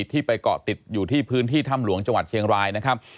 ที่ไปเกาะติดอยู่ที่พื้นที่ถ้ำหลวงจังหวัดเชียงรายนะครับ